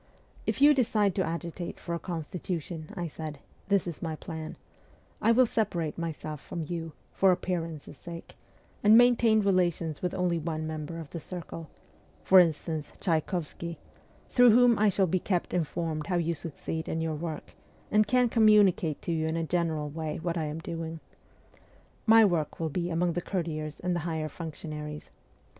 ' If you decide to agitate for a constitution,' I said, ' this is my plan : I will separate myself from you, for appearance sake, and maintain relations with only one member of the circle for instance, Tchaykovsky through whom I shall be kept informed how you succeed in your work, and can communicate to you in a general way what I am doing. My work will be among the courtiers and the higher functionaries.